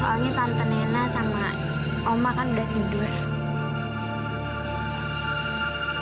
soalnya tante nena sama oma kan udah tidur ya